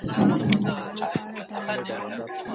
نوي نسل ته لاره وښیئ.